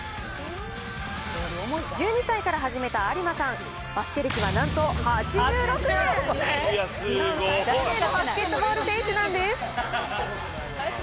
１２歳から始めた在間さん、バスケ歴はなんと８６年、日本最高齢のバスケットボール選手なんです。